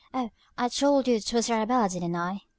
Oh, I told you twas Arabella didn't I?